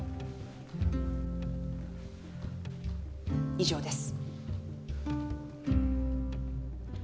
以上です。